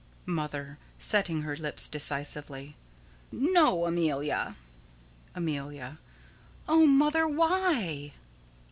Mother: [Setting her lips decisively.] No, Amelia! Amelia: O Mother, why?